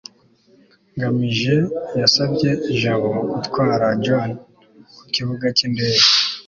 ngamije yasabye jabo gutwara john ku kibuga cy'indege